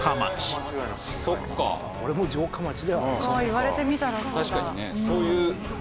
言われてみたらそうだ。